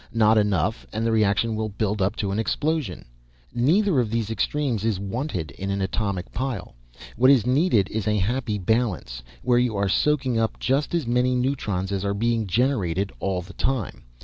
Not enough and the reaction will build up to an explosion. Neither of these extremes is wanted in an atomic pile. What is needed is a happy balance where you are soaking up just as many neutrons as are being generated all the time.